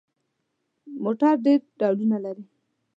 موټر ډېر ډولونه لري.